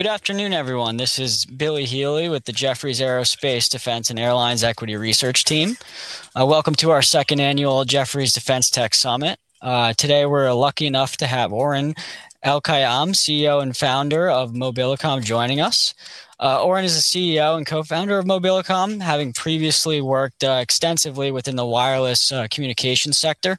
Good afternoon, everyone. This is Billy Healey with the Jefferies Aerospace Defense and Airlines Equity Research team. Welcome to our Second Annual Jefferies Defense Technology Summit. Today, we're lucky enough to have Oren Elkayam, CEO and co-founder of Mobilicom, joining us. Oren is the CEO and co-founder of Mobilicom, having previously worked extensively within the wireless communications sector.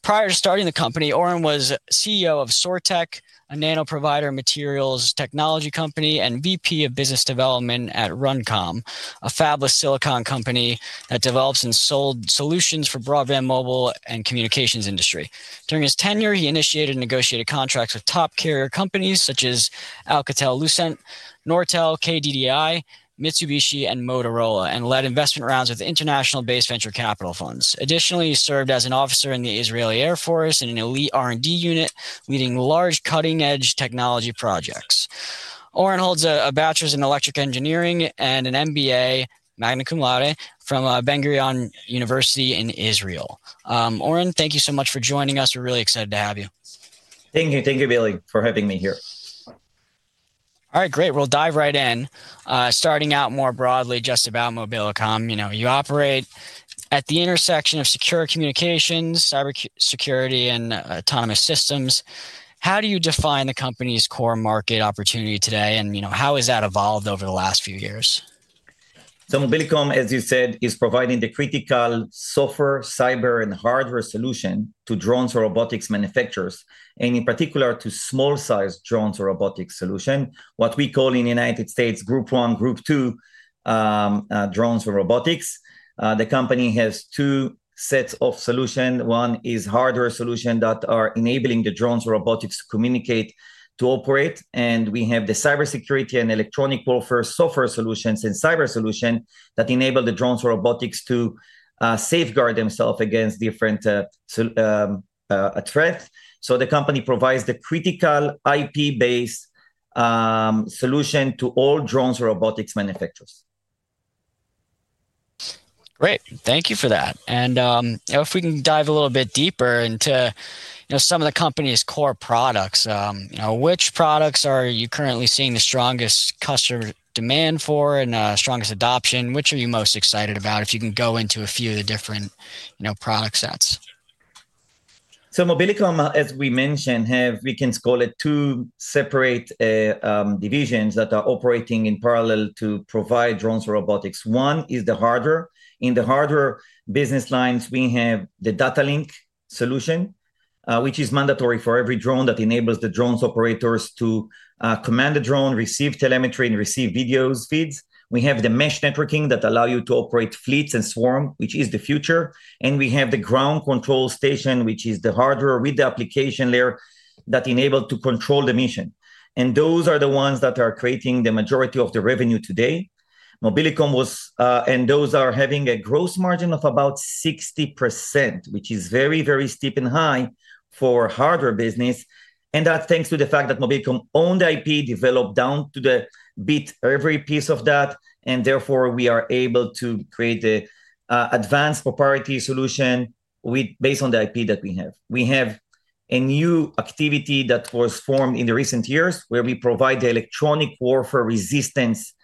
Prior to starting the company, Oren was CEO of Sortech, a nano-powder materials technology company, and VP of business development at Runcom, a fabless silicon company that develops and sold solutions for broadband mobile and communications industry. During his tenure, he initiated and negotiated contracts with top carrier companies such as Alcatel-Lucent, Nortel, KDDI, Mitsubishi, and Motorola, and led investment rounds with international-based venture capital funds. Additionally, he served as an officer in the Israeli Air Force in an elite R&D unit, leading large cutting-edge technology projects. Oren holds a bachelor's in electric engineering and an MBA Magna Cum Laude from Ben-Gurion University in Israel. Oren, thank you so much for joining us. We're really excited to have you. Thank you. Thank you, Billy, for having me here. All right. Great. We'll dive right in. Starting out more broadly, just about Mobilicom. You operate at the intersection of secure communications, cybersecurity, and autonomous systems. How do you define the company's core market opportunity today, and how has that evolved over the last few years? Mobilicom, as you said, is providing the critical software, cyber, and hardware solution to drones or robotics manufacturers, and in particular, to small-sized drones or robotics solution, what we call in the United States Group 1, Group 2 drones for robotics. The company has two sets of solution. One is hardware solution that are enabling the drones or robotics to communicate, to operate, and we have the cybersecurity and electronic warfare software solutions and cyber solution that enable the drones or robotics to safeguard themselves against different threats. The company provides the critical IP-based solution to all drones or robotics manufacturers. Great. Thank you for that. If we can dive a little bit deeper into some of the company's core products. Which products are you currently seeing the strongest customer demand for and strongest adoption? Which are you most excited about? If you can go into a few of the different product sets. Mobilicom, as we mentioned, we can call it two separate divisions that are operating in parallel to provide drones or robotics. One is the hardware. In the hardware business lines, we have the data link solution, which is mandatory for every drone that enables the drone's operators to command the drone, receive telemetry, and receive video feeds. We have the mesh networking that allow you to operate fleets and swarm, which is the future. We have the ground control station, which is the hardware with the application layer that enable to control the mission. Those are the ones that are creating the majority of the revenue today. Those are having a gross margin of about 60%, which is very, very steep and high for hardware business. That's thanks to the fact that Mobilicom owned IP developed down to the bit every piece of that. Therefore, we are able to create advanced proprietary solution based on the IP that we have. We have a new activity that was formed in the recent years, where we provide the electronic warfare resistance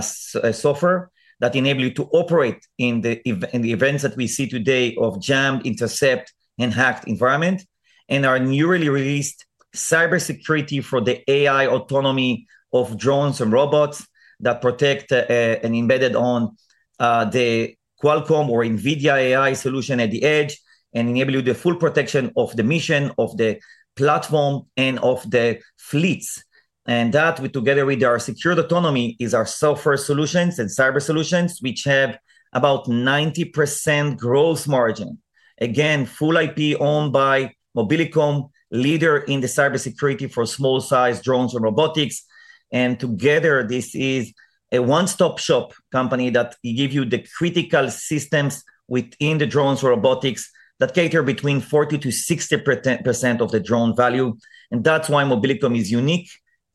software that enable you to operate in the events that we see today of jam, intercept, and hacked environment. Our newly released cybersecurity for the AI autonomy of drones and robots that protect and embedded on the Qualcomm or NVIDIA AI solution at the edge and enable you the full protection of the mission, of the platform, and of the fleets. That, together with our Secured Autonomy, is our software solutions and cyber solutions, which have about 90% gross margin. Again, full IP owned by Mobilicom, leader in the cybersecurity for small-sized drones or robotics. Together, this is a one-stop shop company that give you the critical systems within the drones or robotics that cater between 40%-60% of the drone value. That's why Mobilicom is unique,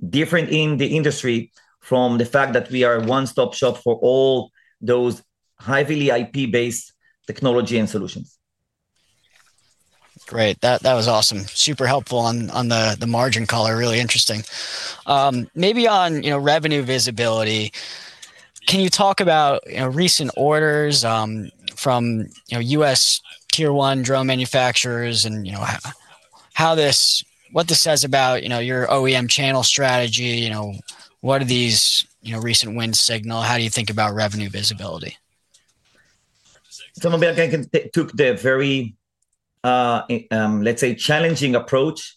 different in the industry from the fact that we are a one-stop shop for all those highly IP-based technology and solutions. Great. That was awesome. Super helpful on the margin call are really interesting. Maybe on revenue visibility, can you talk about recent orders from U.S. Tier 1 drone manufacturers and what this says about your OEM channel strategy? What are these recent wins signal? How do you think about revenue visibility? Mobilicom took the very, let's say, challenging approach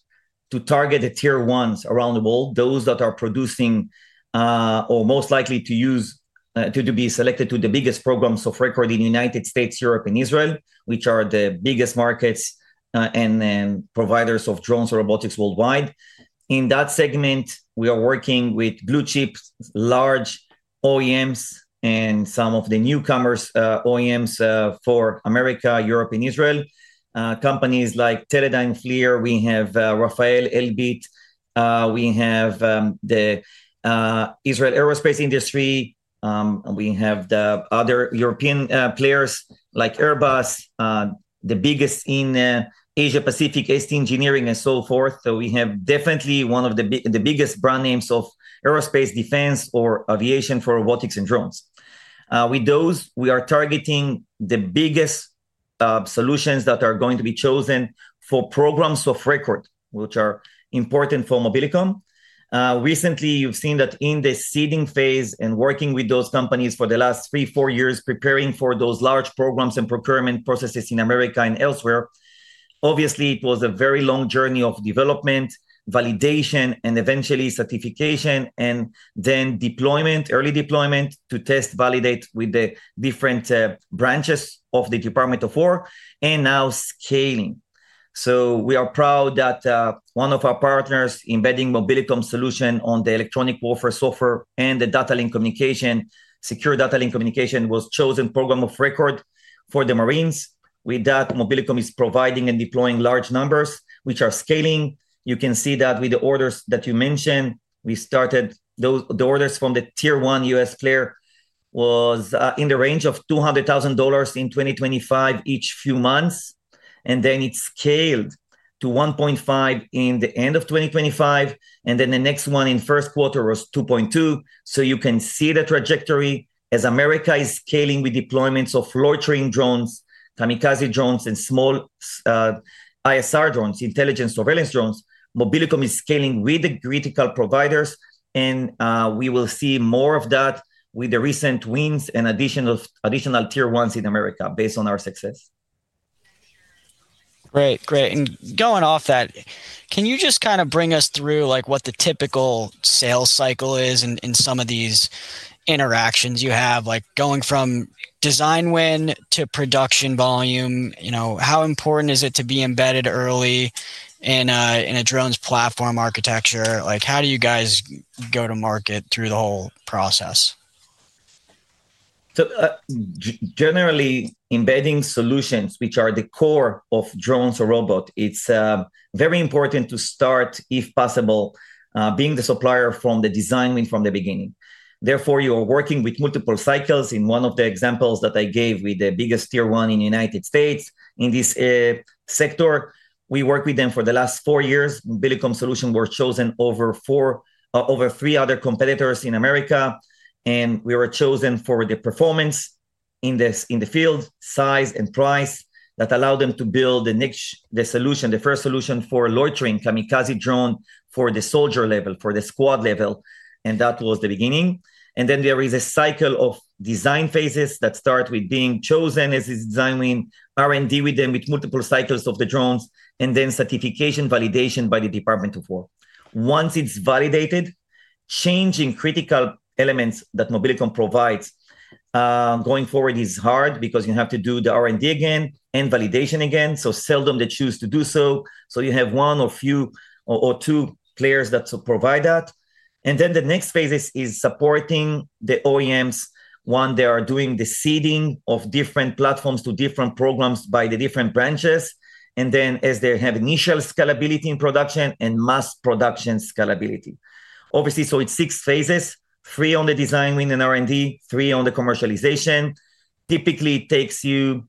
to target the tier 1s around the world, those that are producing or most likely to be selected to the biggest Programs of Record in the United States, Europe, and Israel, which are the biggest markets and providers of drones or robotics worldwide. In that segment, we are working with blue-chip large OEMs and some of the newcomers OEMs for America, Europe, and Israel. Companies like Teledyne FLIR. We have Rafael, Elbit. We have Israel Aerospace Industries. We have the other European players like Airbus, the biggest in Asia-Pacific, ST Engineering and so forth. We have definitely one of the biggest brand names of aerospace defense or aviation for robotics and drones. With those, we are targeting the biggest solutions that are going to be chosen for Programs of Record, which are important for Mobilicom. Recently, you've seen that in the seeding phase and working with those companies for the last three, four years, preparing for those large programs and procurement processes in America and elsewhere, obviously, it was a very long journey of development, validation, and eventually certification, and then early deployment to test validate with the different branches of the Department of War, and now scaling. We are proud that one of our partners embedding Mobilicom solution on the electronic warfare software and the secure data link communication was chosen Program of Record for the Marines. With that, Mobilicom is providing and deploying large numbers, which are scaling. You can see that with the orders that you mentioned, we started those. The orders from the Tier 1 U.S. player was in the range of $200,000 in 2025 each few months. It scaled to $1.5 in the end of 2025. The next one in first quarter was $2.2. You can see the trajectory as America is scaling with deployments of loitering drones, kamikaze drones, and small ISR drones, intelligence surveillance drones. Mobilicom is scaling with the critical providers. We will see more of that with the recent wins and additional Tier 1's in America based on our success. Great. Going off that, can you just bring us through what the typical sales cycle is in some of these interactions you have, like going from design win to production volume? How important is it to be embedded early in a drones platform architecture? How do you guys go to market through the whole process? Generally, embedding solutions, which are the core of drones or robot, it's very important to start, if possible, being the supplier from the design win from the beginning. Therefore, you are working with multiple cycles. In one of the examples that I gave with the biggest Tier 1 in the United States in this sector, we worked with them for the last four years. Mobilicom solution were chosen over three other competitors in America, and we were chosen for the performance in the field, size, and price. That allowed them to build the first solution for loitering kamikaze drone for the soldier level, for the squad level, that was the beginning. Then there is a cycle of design phases that start with being chosen as a design win, R&D with them with multiple cycles of the drones, then certification validation by the Department of War. Once it's validated, changing critical elements that Mobilicom provides, going forward is hard because you have to do the R&D again and validation again, so seldom they choose to do so. You have one or two players that provide that. The next phases is supporting the OEMs. One, they are doing the seeding of different platforms to different programs by the different branches. As they have initial scalability in production and mass production scalability. It's six phases, three on the design win and R&D, three on the commercialization. Typically, it takes you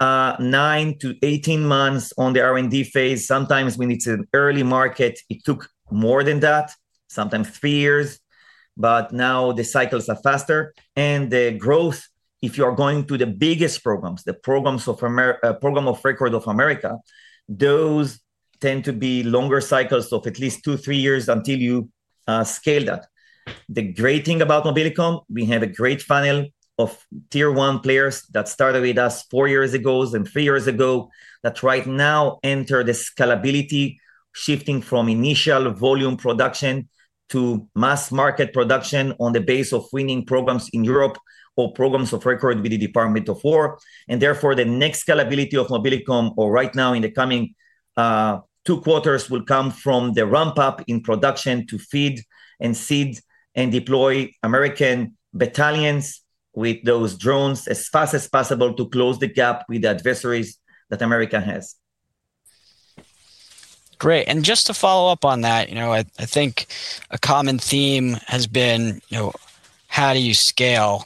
9-18 months on the R&D phase. Sometimes when it's an early market, it took more than that, sometimes three years. Now the cycles are faster and the growth, if you are going to the biggest programs, the Program of Record of America, those tend to be longer cycles of at least two, three years until you scale that. The great thing about Mobilicom, we have a great funnel of Tier 1 players that started with us four years ago, then three years ago, that right now enter the scalability, shifting from initial volume production to mass market production on the base of winning programs in Europe or Programs of Record with the Department of Defense. Therefore, the next scalability of Mobilicom, or right now in the coming two quarters will come from the ramp-up in production to feed and seed and deploy American battalions with those drones as fast as possible to close the gap with the adversaries that America has. Great. Just to follow up on that, I think a common theme has been how do you scale.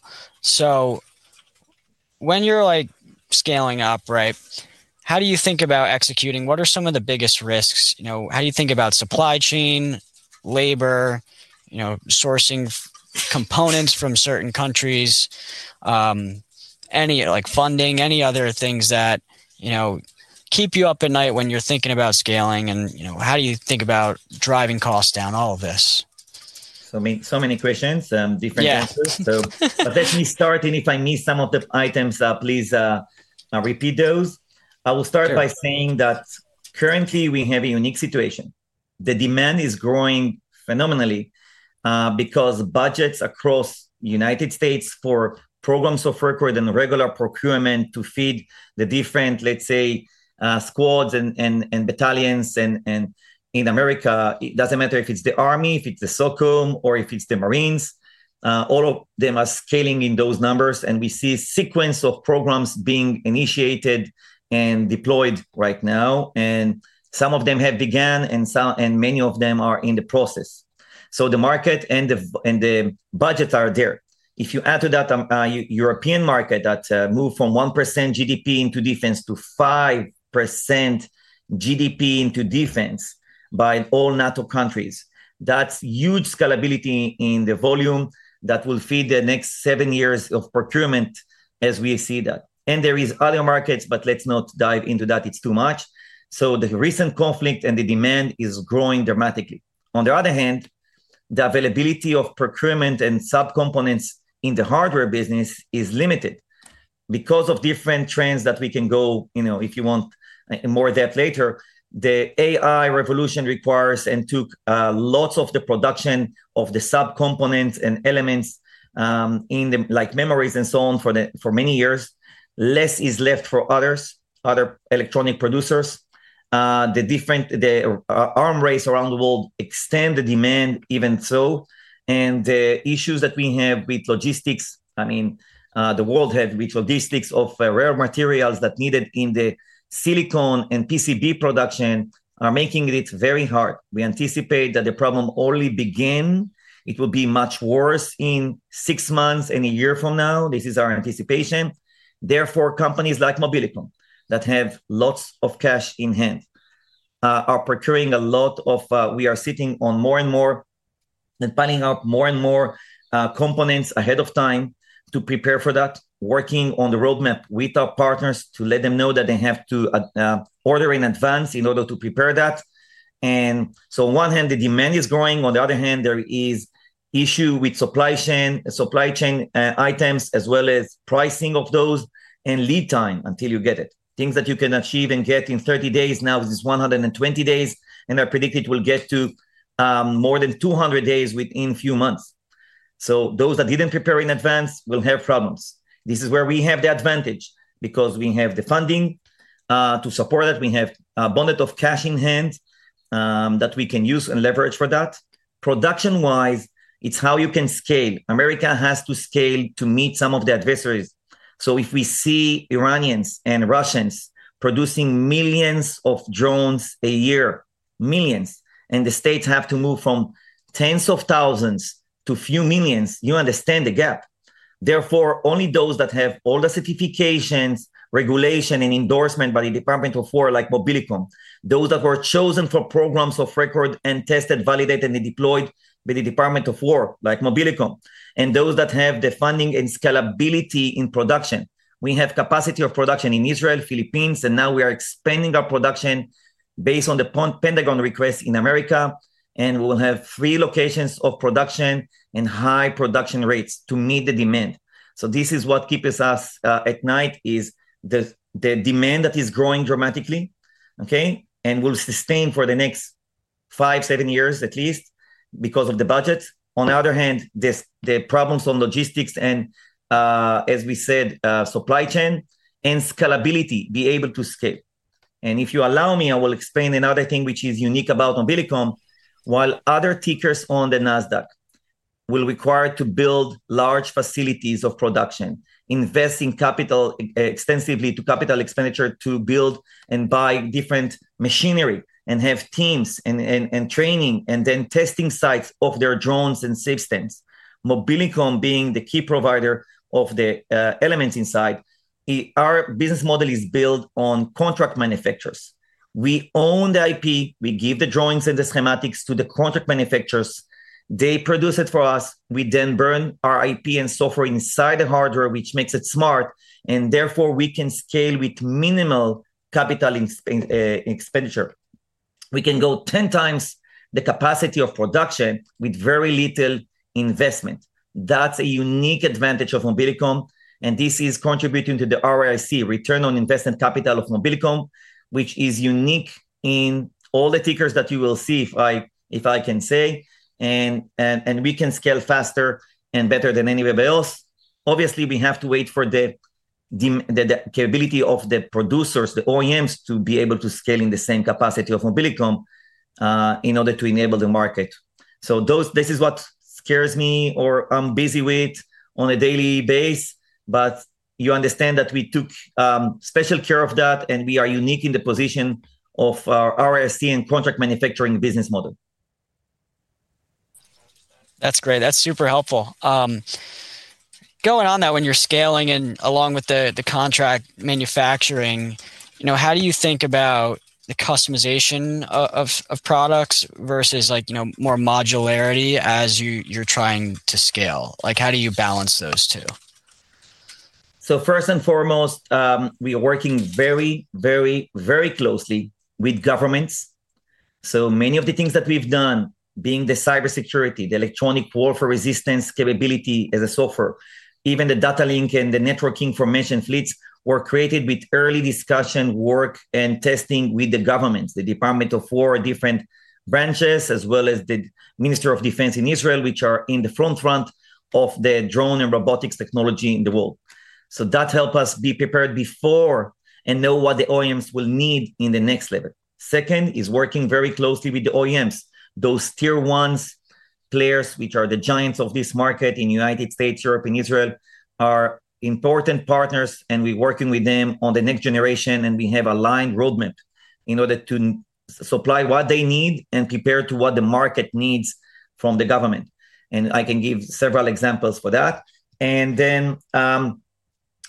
When you're scaling up, how do you think about executing? What are some of the biggest risks? How do you think about supply chain, labor, sourcing components from certain countries? Any funding, any other things that keep you up at night when you're thinking about scaling and how do you think about driving costs down, all of this? Many questions, different answers. Yeah. Let me start, and if I miss some of the items, please repeat those. Sure. I will start by saying that currently we have a unique situation. The demand is growing phenomenally, because budgets across United States for Programs of Record and regular procurement to feed the different, let's say, squads and battalions in America, it doesn't matter if it's the Army, if it's the SOCOM, or if it's the Marines. All of them are scaling in those numbers, and we see a sequence of programs being initiated and deployed right now. Some of them have begun, and many of them are in the process. The market and the budgets are there. If you add to that European market that moved from 1% GDP into defense to 5% GDP into defense by all NATO countries, that's huge scalability in the volume that will feed the next seven years of procurement as we see that. There is other markets, but let's not dive into that. It's too much. The recent conflict and the demand is growing dramatically. On the other hand, the availability of procurement and sub-components in the hardware business is limited because of different trends that we can go, if you want more depth later. The AI revolution requires and took lots of the production of the sub-components and elements, like memories and so on, for many years. Less is left for other electronic producers. The arms race around the world extend the demand even so, and the issues that we have with logistics, the world have with logistics of rare materials that needed in the silicon and PCB production are making it very hard. We anticipate that the problem only begin. It will be much worse in six months, in a year from now. This is our anticipation. Companies like Mobilicom that have lots of cash in hand, are procuring a lot of-- We are sitting on more and more and planning out more and more components ahead of time to prepare for that, working on the roadmap with our partners to let them know that they have to order in advance in order to prepare that. On one hand, the demand is growing, on the other hand, there is issue with supply chain items as well as pricing of those, and lead time until you get it. Things that you can achieve and get in 30 days now is 120 days, and I predict it will get to more than 200 days within few months. Those that didn't prepare in advance will have problems. This is where we have the advantage, because we have the funding to support that. We have abundance of cash in hand that we can use and leverage for that. Production-wise, it's how you can scale. America has to scale to meet some of the adversaries. If we see Iranians and Russians producing millions of drones a year, millions, and the States have to move from tens of thousands to few millions, you understand the gap. Therefore, only those that have all the certifications, regulation, and endorsement by the Department of Defense, like Mobilicom, those that were chosen for Programs of Record and tested, validated, and deployed by the Department of Defense, like Mobilicom, and those that have the funding and scalability in production. We have capacity of production in Israel, Philippines, and now we are expanding our production based on the Pentagon request in America, and we'll have three locations of production and high production rates to meet the demand. This is what keeps us at night, is the demand that is growing dramatically, okay, and will sustain for the next five, seven years at least because of the budget. On the other hand, the problems on logistics and, as we said, supply chain and scalability, be able to scale. If you allow me, I will explain another thing which is unique about Mobilicom. While other tickers on the NASDAQ will require to build large facilities of production, invest in capital extensively to capital expenditure to build and buy different machinery and have teams and training and then testing sites of their drones and systems, Mobilicom being the key provider of the elements inside, our business model is built on contract manufacturers. We own the IP. We give the drawings and the schematics to the contract manufacturers. They produce it for us. We then burn our IP and software inside the hardware, which makes it smart. Therefore, we can scale with minimal capital expenditure. We can go 10 times the capacity of production with very little investment. That's a unique advantage of Mobilicom. This is contributing to the ROIC, return on invested capital of Mobilicom, which is unique in all the tickers that you will see, if I can say. We can scale faster and better than anybody else. Obviously, we have to wait for the capability of the producers, the OEMs, to be able to scale in the same capacity of Mobilicom in order to enable the market. This is what scares me or I'm busy with on a daily basis. You understand that we took special care of that, and we are unique in the position of our ROIC and contract manufacturing business model. That's great. That's super helpful. Going on that, when you're scaling and along with the contract manufacturing, how do you think about the customization of products versus more modularity as you're trying to scale? How do you balance those two? First and foremost, we are working very closely with governments. Many of the things that we've done, being the cybersecurity, the electronic warfare resistance capability as a software, even the data link and the networking for mission fleets were created with early discussion work and testing with the governments, the Department of Defense, different branches, as well as the Ministry of Defense in Israel, which are in the forefront of the drone and robotics technology in the world. That help us be prepared before and know what the OEMs will need in the next level. Second is working very closely with the OEMs. Those Tier 1 players, which are the giants of this market in U.S., Europe, and Israel, are important partners, and we working with them on the next generation, and we have aligned roadmap in order to supply what they need and compare to what the market needs from the government. I can give several examples for that.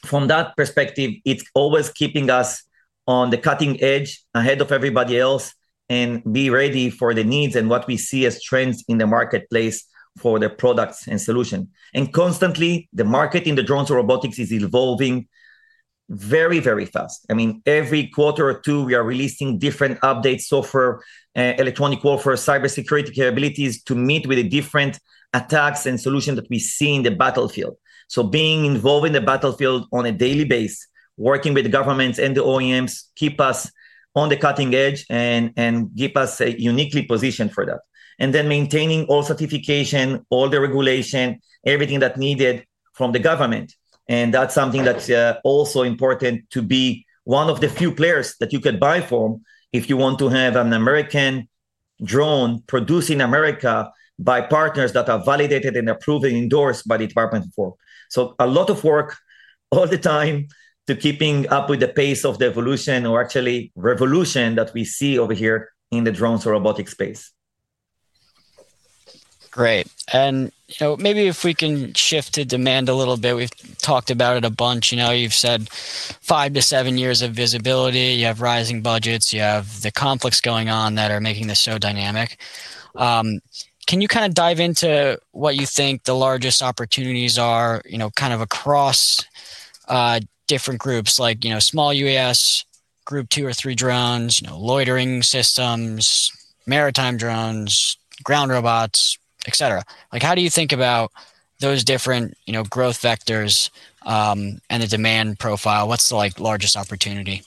From that perspective, it's always keeping us on the cutting edge, ahead of everybody else, and be ready for the needs and what we see as trends in the marketplace for the products and solution. Constantly, the market in the drones or robotics is evolving very fast. Every quarter or two, we are releasing different updates, software, electronic warfare, cybersecurity capabilities to meet with the different attacks and solutions that we see in the battlefield. Being involved in the battlefield on a daily basis, working with the governments and the OEMs, keep us on the cutting edge and give us a uniquely position for that. Maintaining all certification, all the regulation, everything that's needed from the government. That's something that's also important to be one of the few players that you can buy from if you want to have an American drone produced in America by partners that are validated and approved and endorsed by the Department of Defense. A lot of work all the time to keeping up with the pace of the evolution or actually revolution that we see over here in the drones or robotic space. Great. Maybe if we can shift to demand a little bit. We've talked about it a bunch. You've said five-seven years of visibility. You have rising budgets. You have the conflicts going on that are making this so dynamic. Can you dive into what you think the largest opportunities are, across different groups like small UAS, Group 2 or 3 drones, loitering systems, maritime drones, ground robots, et cetera? How do you think about those different growth vectors, and the demand profile? What's the largest opportunity?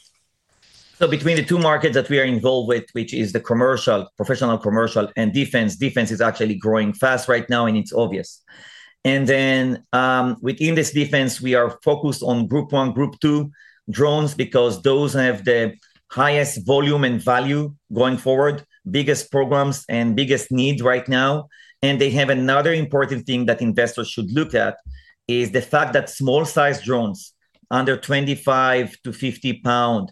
Between the two markets that we are involved with, which is the professional, commercial, and Defense. Defense is actually growing fast right now, and it's obvious. Within this Defense, we are focused on Group 1, Group 2 drones because those have the highest volume and value going forward, biggest programs, and biggest need right now. They have another important thing that investors should look at, is the fact that small-sized drones under 25-50 lbs,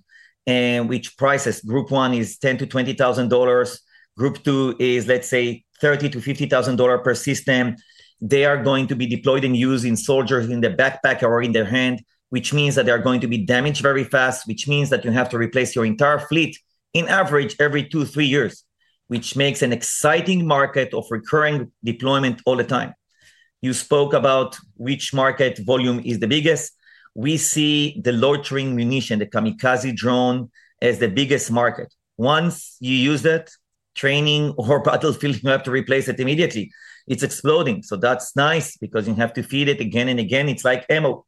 and which prices, Group 1 is $10,000-$20,000. Group 2 is, let's say, $30,000-$50,000 per system. They are going to be deployed and used in soldiers in their backpack or in their hand, which means that they are going to be damaged very fast, which means that you have to replace your entire fleet in average every two-three years, which makes an exciting market of recurring deployment all the time. You spoke about which market volume is the biggest. We see the loitering munition, the kamikaze drone, as the biggest market. Once you use it, training or battlefield, you have to replace it immediately. It's exploding. That's nice because you have to feed it again and again. It's like ammo.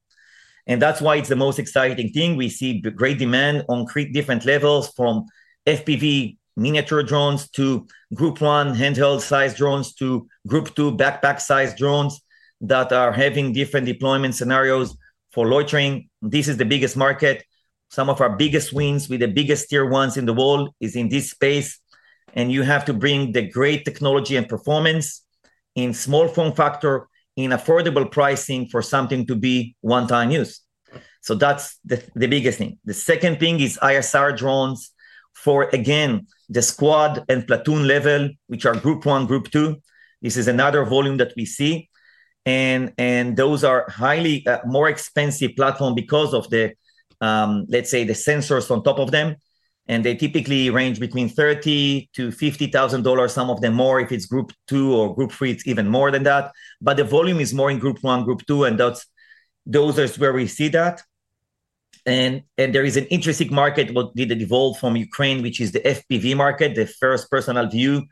That's why it's the most exciting thing. We see great demand on three different levels, from FPV miniature drones to Group 1 handheld-sized drones to Group 2 backpack-sized drones that are having different deployment scenarios for loitering. This is the biggest market. Some of our biggest wins with the biggest tier ones in the world is in this space. You have to bring the great technology and performance in small form factor in affordable pricing for something to be one-time use. That's the biggest thing. The second thing is ISR drones for, again, the squad and platoon level, which are Group 1, Group 2. This is another volume that we see. Those are highly more expensive platform because of the, let's say, the sensors on top of them. They typically range between $30,000-$50,000, some of them more. If it's Group 2 or Group 3, it's even more than that. The volume is more in Group 1, Group 2, and those is where we see that. There is an interesting market what did evolve from Ukraine, which is the FPV market, the first personal view,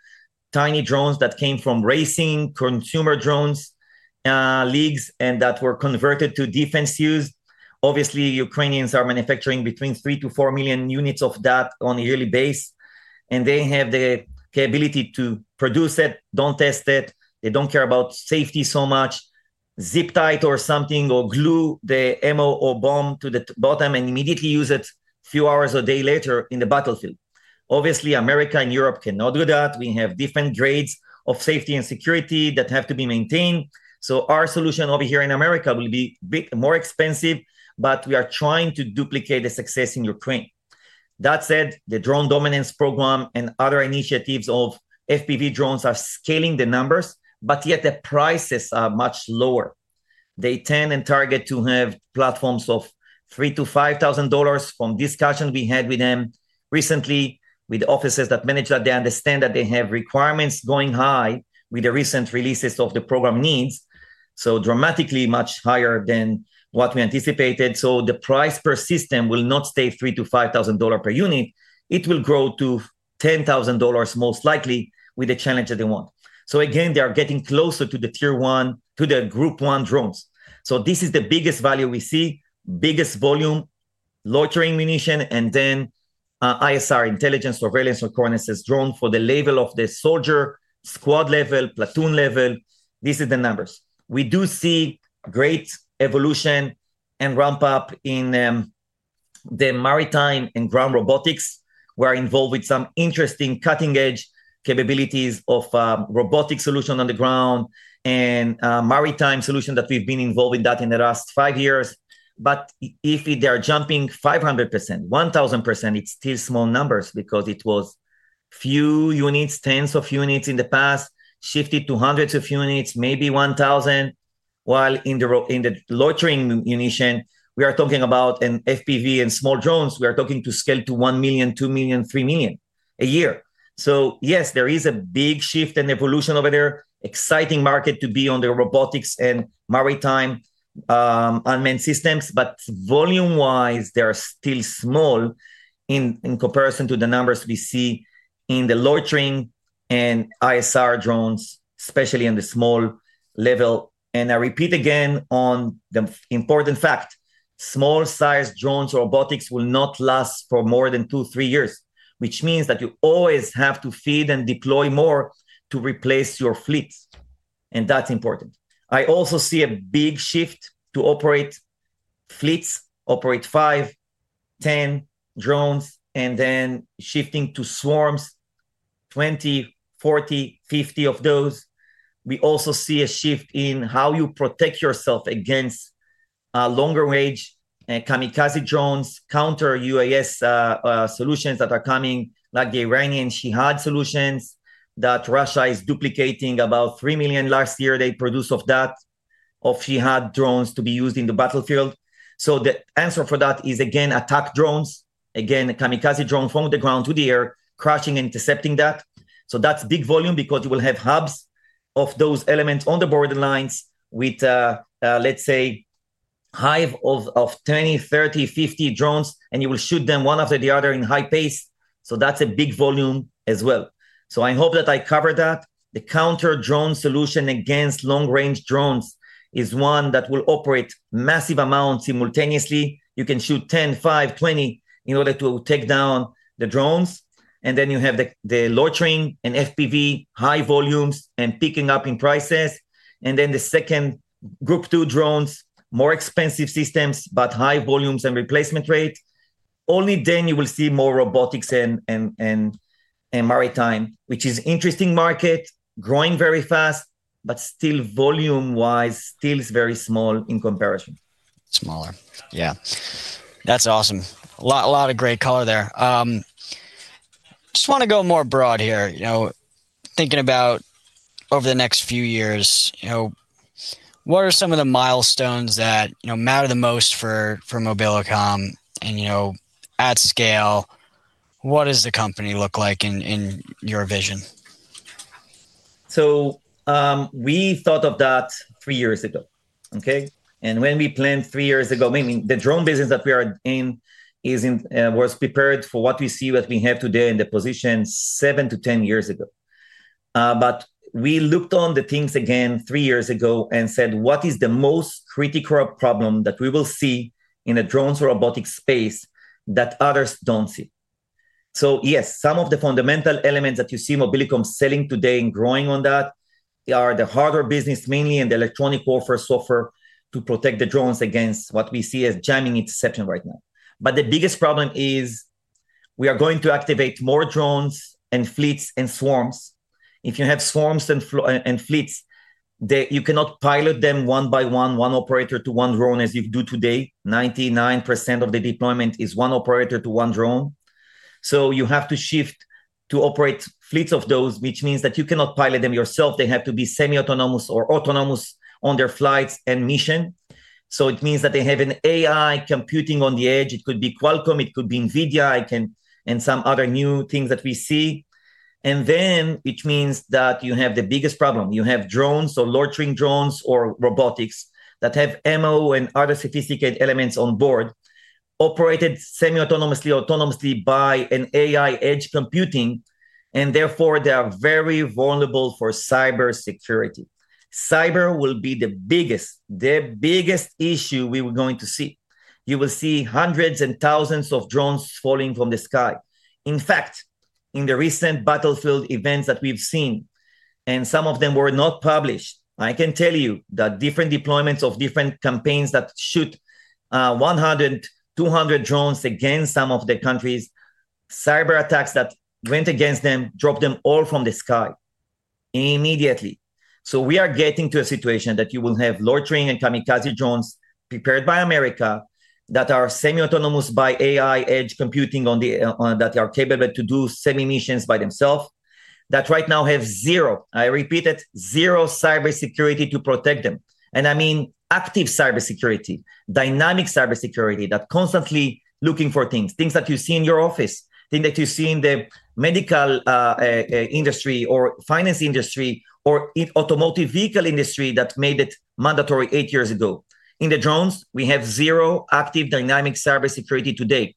tiny drones that came from racing, consumer drones leagues, that were converted to defense use. Obviously, Ukrainians are manufacturing between 3 million-4 million units of that on a yearly base, They have the capability to produce it, don't test it. They don't care about safety so much. Zip tie it or something or glue the ammo or bomb to the bottom immediately use it few hours a day later in the battlefield. Obviously, America and Europe cannot do that. We have different grades of safety and security that have to be maintained. Our solution over here in America will be more expensive, We are trying to duplicate the success in Ukraine. That said, the Drone Dominance program and other initiatives of FPV drones are scaling the numbers, but yet the prices are much lower. They tend and target to have platforms of $3,000-$5,000 from discussions we had with them recently with the officers that manage that. They understand that they have requirements going high with the recent releases of the program needs, so dramatically much higher than what we anticipated. The price per system will not stay $3,000-$5,000 per unit. It will grow to $10,000 most likely with the challenge that they want. Again, they are getting closer to the Tier 1, to the Group 1 drones. This is the biggest value we see, biggest volume, loitering munition, and then ISR, intelligence, surveillance, or reconnaissance drone for the level of the soldier, squad level, platoon level. This is the numbers. We do see great evolution and ramp-up in the maritime and ground robotics were involved with some interesting cutting-edge capabilities of robotic solution on the ground, and maritime solution that we've been involved with that in the last five years. If they are jumping 500%, 1,000%, it's still small numbers because it was few units, tens of units in the past, shifted to hundreds of units, maybe 1,000, while in the loitering munition, we are talking about an FPV and small drones, we are talking to scale to 1 million, 2 million, 3 million a year. Yes, there is a big shift in evolution over there. Exciting market to be on the robotics and maritime unmanned systems. Volume wise, they are still small in comparison to the numbers we see in the loitering and ISR drones, especially in the small level. I repeat again on the important fact, small size drones robotics will not last for more than two, three years, which means that you always have to feed and deploy more to replace your fleets, and that's important. I also see a big shift to operate fleets, operate five, 10 drones, and then shifting to swarms, 20, 40, 50 of those. We also see a shift in how you protect yourself against longer range and kamikaze drones, Counter-UAS solutions that are coming, like the Iranian Shahed solutions that Russia is duplicating. About 3 million last year they produce of that, of Shahed drones to be used in the battlefield. The answer for that is again, attack drones, again, kamikaze drone from the ground to the air, crashing, intercepting that. That's big volume because you will have hubs of those elements on the borderlines with, let's say, hive of 20, 30, 50 drones, and you will shoot them one after the other in high pace. That's a big volume as well. I hope that I covered that. The counter drone solution against long range drones is one that will operate massive amounts simultaneously. You can shoot 10, five, 20 in order to take down the drones. Then you have the loitering and FPV, high volumes and picking up in prices. Then the second Group 2 drones, more expensive systems, but high volumes and replacement rate. Only then you will see more robotics and maritime, which is interesting market, growing very fast, but still volume wise, still is very small in comparison. Smaller. Yeah. That's awesome. A lot of great color there. Just want to go more broad here. Thinking about over the next few years, what are some of the milestones that matter the most for Mobilicom and, at scale, what does the company look like in your vision? We thought of that three years ago. Okay? When we planned three years ago, meaning the drone business that we are in was prepared for what we see, what we have today in the position seven to 10 years ago. We looked on the things again three years ago and said, "What is the most critical problem that we will see in a drones robotic space that others don't see?" Yes, some of the fundamental elements that you see Mobilicom selling today and growing on that are the hardware business mainly, and the electronic warfare software to protect the drones against what we see as jamming interception right now. The biggest problem is we are going to activate more drones and fleets and swarms. If you have swarms and fleets, you cannot pilot them one by one operator to one drone as you do today. 99% of the deployment is one operator to one drone. You have to shift to operate fleets of those, which means that you cannot pilot them yourself. They have to be semi-autonomous or autonomous on their flights and mission. It means that they have an AI computing on the edge. It could be Qualcomm, it could be NVIDIA, and some other new things that we see. It means that you have the biggest problem. You have drones or loitering drones or robotics that have ammo and other sophisticated elements on board, operated semi-autonomously, autonomously by an AI edge computing, and therefore they are very vulnerable for cybersecurity. Cyber will be the biggest issue we were going to see. You will see hundreds and thousands of drones falling from the sky. In fact, in the recent battlefield events that we've seen, some of them were not published, I can tell you that different deployments of different campaigns that shoot 100, 200 drones against some of the countries, cyber attacks that went against them dropped them all from the sky immediately. We are getting to a situation that you will have loitering and kamikaze drones prepared by America that are semi-autonomous by AI edge computing, that are capable to do semi missions by themselves, that right now have zero, I repeat it, zero cybersecurity to protect them. I mean active cybersecurity, dynamic cybersecurity that constantly looking for things that you see in your office, things that you see in the medical industry or finance industry or automotive vehicle industry that made it mandatory eight years ago. In the drones, we have zero active dynamic cybersecurity today.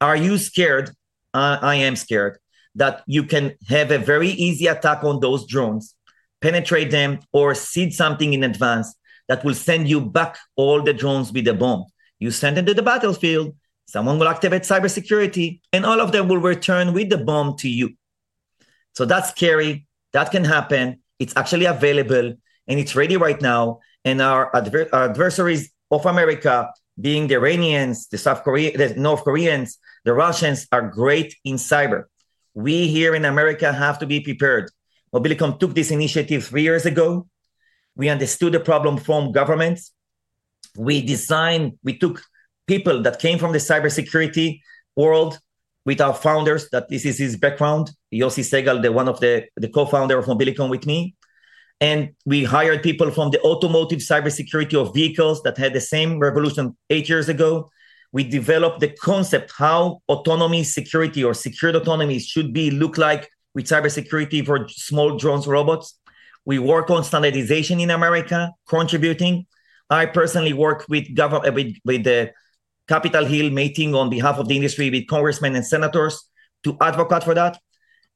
Are you scared? I am scared that you can have a very easy attack on those drones, penetrate them, or seed something in advance that will send you back all the drones with a bomb. You send them to the battlefield, someone will activate cybersecurity, and all of them will return with the bomb to you. That's scary. That can happen. It's actually available, and it's ready right now. Our adversaries of America, being the Iranians, the North Koreans, the Russians, are great in cyber. We here in America have to be prepared. Mobilicom took this initiative three years ago. We understood the problem from governments. We took people that came from the cybersecurity world with our founders, that this is his background, Yossi Segal, one of the co-founders of Mobilicom with me, and we hired people from the automotive cybersecurity of vehicles that had the same revolution eight years ago. We developed the concept how autonomy security or Secured Autonomy should look like with cybersecurity for small drones, robots. We work on standardization in America, contributing. I personally work with the Capitol Hill meeting on behalf of the industry, with congressmen and senators, to advocate for that.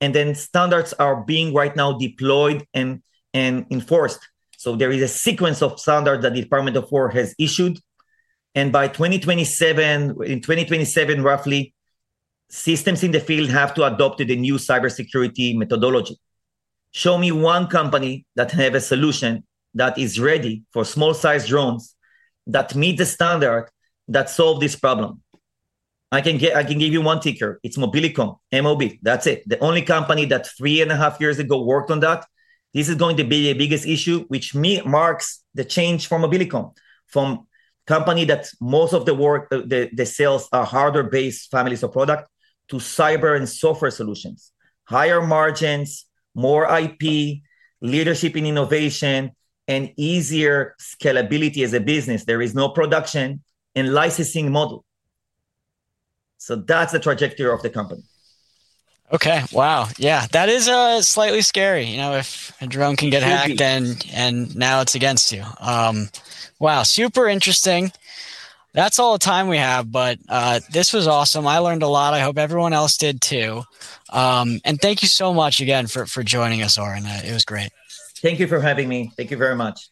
Then standards are being right now deployed and enforced. There is a sequence of standards the Department of Defense has issued, and in 2027, roughly, systems in the field have to adopt the new cybersecurity methodology. Show me one company that have a solution that is ready for small-sized drones that meet the standard that solve this problem. I can give you one ticker. It's Mobilicom, MOB. That's it. The only company that three and a half years ago worked on that. This is going to be the biggest issue, which marks the change for Mobilicom, from company that most of the work, the sales are hardware-based families of product, to cyber and software solutions. Higher margins, more IP, leadership in innovation, and easier scalability as a business. There is no production in licensing model. That's the trajectory of the company. Okay. Wow. Yeah. That is slightly scary, if a drone can get hacked- Scary. Now it's against you. Wow. Super interesting. That's all the time we have, but this was awesome. I learned a lot. I hope everyone else did, too. Thank you so much again for joining us, Oren. It was great. Thank you for having me. Thank you very much.